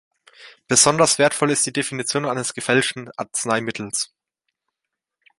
Besonders wertvoll ist die Definition eines "gefälschten Arzneimittels".